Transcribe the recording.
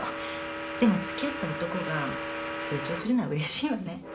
でも付き合った男が成長するのはうれしいわね。